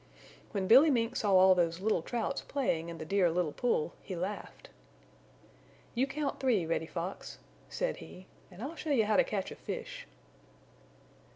When Billy Mink saw all those little Trouts playing in the Dear Little Pool he laughed. "You count three, Reddy Fox," said he, "and I'll show you how to catch a fish."